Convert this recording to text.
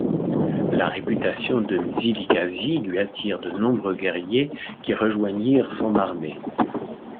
La réputation de Mzilikazi lui attire de nombreux guerriers qui rejoignirent son armée.